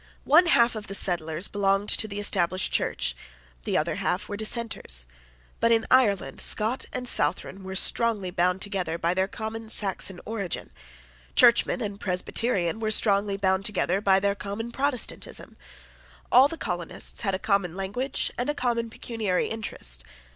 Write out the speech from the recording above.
One half of the settlers belonged to the Established Church; the other half were Dissenters. But in Ireland Scot and Southron were strongly bound together by their common Saxon origin. Churchman and Presbyterian were strongly bound together by their common Protestantism. All the colonists had a common language and a common pecuniary interest.